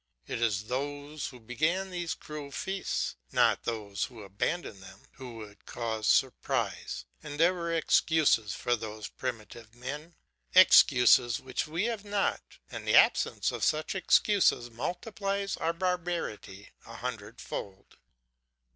It is those who began these cruel feasts, not those who abandon them, who should cause surprise, and there were excuses for those primitive men, excuses which we have not, and the absence of such excuses multiplies our barbarity a hundredfold.